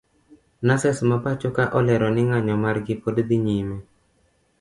nurses mapachoka olero ni nganyo margi pod dhi nyime.